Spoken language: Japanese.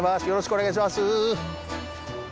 よろしくお願いします。